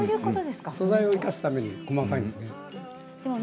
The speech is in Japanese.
素材を生かすために細かいんですね。